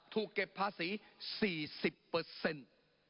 ถูกเก็บภาษี๔๐เปอร์เซ็นต์